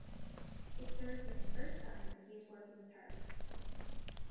It serves as the first sign that he is working with her.